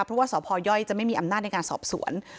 เพราะว่าสพย่อยจะไม่มีอำนาจในการสอบสวน